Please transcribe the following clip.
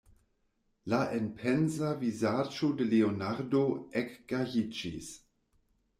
La enpensa vizaĝo de Leonardo ekgajiĝis.